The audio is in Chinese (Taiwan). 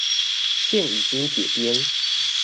現已經解編